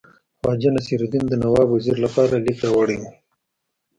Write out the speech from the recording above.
خواجه نصیرالدین د نواب وزیر لپاره لیک راوړی وو.